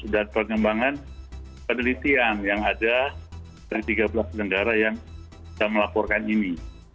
dan penyumbangan penelitian yang ada dari tiga belas negara yang kita melaporkan ini